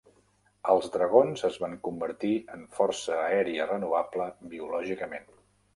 Els dragons es van convertir en força aèria renovable biològicament.